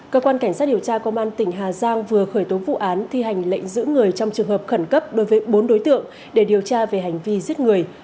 cơ quan cảnh sát điều tra công an tỉnh hà giang vừa khởi tố vụ án thi hành lệnh giữ người trong trường hợp khẩn cấp đối với bốn đối tượng để điều tra về hành vi giết người